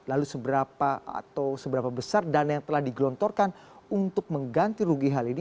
lalu seberapa atau seberapa besar dana yang telah digelontorkan untuk mengganti rugi hal ini